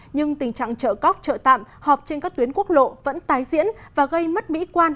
nhưng tình trạng trợ cóc chợ tạm họp trên các tuyến quốc lộ vẫn tái diễn và gây mất mỹ quan